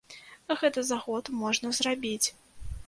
Гэта за год можна зрабіць.